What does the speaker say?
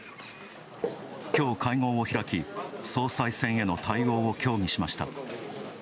きょう、会合を開き、総裁選への対応を協議しました。